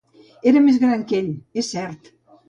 Era més gran que ell, és cert.